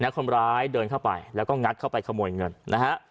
คนร้ายเดินเข้าไปแล้วก็งัดเข้าไปขโมยเงินนะฮะ